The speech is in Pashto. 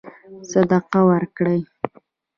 صدقه ورکړي.